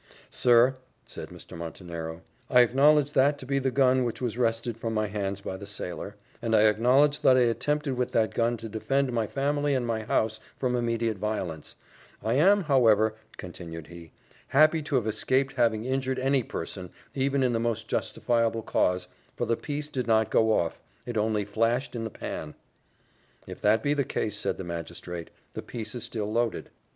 "Sir," said Mr. Montenero, "I acknowledge that to be the gun which was wrested from my hands by the sailor; and I acknowledge that I attempted with that gun to defend my family and my house from immediate violence; I am, however," continued he, "happy to have escaped having injured any person, even in the most justifiable cause, for the piece did not go off, it only flashed in the pan." "If that be the case," said the magistrate, "the piece is still loaded."